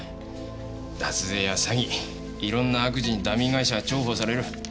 脱税や詐欺いろんな悪事にダミー会社が重宝される。